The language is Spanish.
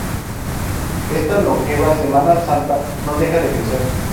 Esta longeva Semana Santa no deja de crecer.